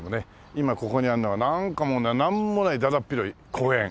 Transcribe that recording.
今ここにあるのはなんかもうねなんもないだだっ広い公園。